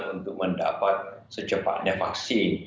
untuk mendapat secepatnya vaksin